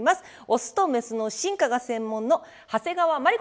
オスとメスの進化が専門の長谷川眞理子先生です。